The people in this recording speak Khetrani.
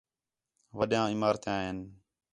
وݙیاں عمارتیاں ہین